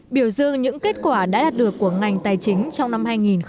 biểu dương những kết quả đã đạt được của ngành tài chính trong năm hai nghìn một mươi chín